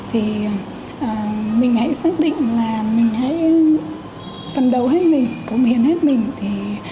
thì mình hãy xác định là mình hãy phần đầu hết mình cống hiến hết mình